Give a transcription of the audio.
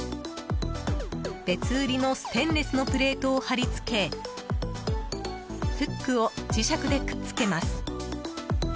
別売りのステンレスのプレートを貼り付けフックを磁石でくっつけます。